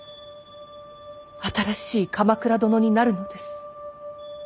新しい鎌倉殿になるのです。